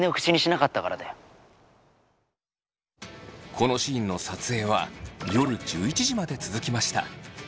このシーンの撮影は夜１１時まで続きました。